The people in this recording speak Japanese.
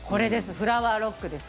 フラワーロックです。